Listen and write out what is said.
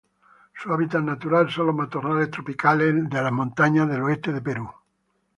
Su hábitat natural son los matorrales tropicales de las montañas del oeste de Perú.